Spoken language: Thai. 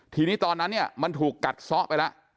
ทีนี้ตอนนั้นเนี่ยมันถูกกัดซ้อไปแล้ว